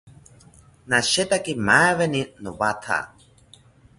Nashetaki maaweni nowatha